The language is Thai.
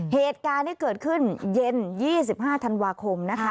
เหตุการณ์ที่เกิดขึ้นเย็น๒๕ธันวาคมนะคะ